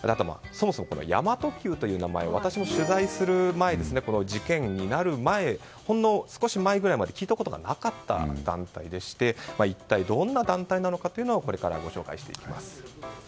そもそも、神真都Ｑという名前取材する前事件になる前ほんの少し前ぐらいまで聞いたことがなかった団体でして一体どんな団体なのかこれからご紹介していきます。